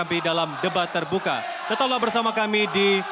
ujian dari blog yuk di bawah sini